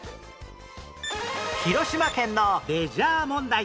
広島県のレジャー問題